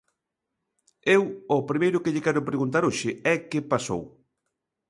Eu o primeiro que lle quero preguntar hoxe é que pasou.